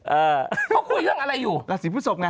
เออเขาคุยเรื่องอะไรอยู่ราศีพฤศพไง